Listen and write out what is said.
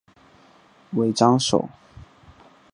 尾张守。